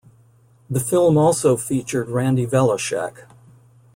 The film also featured Randy Velischek.